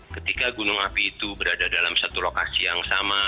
ketika gunung api itu berada dalam satu lokasi yang sama